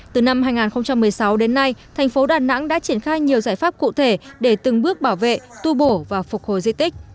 từ năm hai nghìn một mươi sáu đến nay thành phố đà nẵng đã triển khai nhiều giải pháp cụ thể để từng bước bảo vệ tu bổ và phục hồi di tích